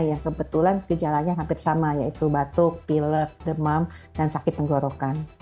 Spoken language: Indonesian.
ya kebetulan gejalanya hampir sama yaitu batuk pilek demam dan sakit tenggorokan